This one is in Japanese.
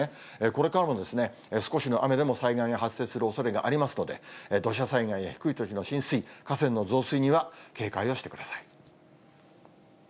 これからも少しの雨でも災害が発生するおそれがありますので、土砂災害や低い土地の浸水、河川の増水には警戒をしてください。